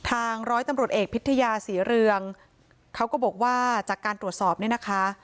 ร้อยตำรวจเอกพิทยาศรีเรืองเขาก็บอกว่าจากการตรวจสอบเนี่ยนะคะ